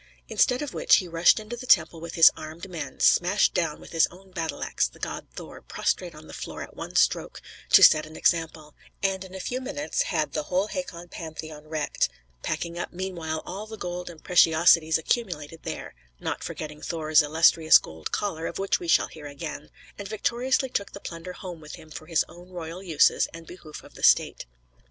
Instead of which he rushed into the temple with his armed men; smashed down, with his own battle axe, the god Thor prostrate on the floor at one stroke, to set an example; and in a few minutes had the whole Hakon Pantheon wrecked; packing up, meanwhile, all the gold and preciosities accumulated there (not forgetting Thor's illustrious gold collar, of which we shall hear again), and victoriously took the plunder home with him for his own royal uses and behoof of the state.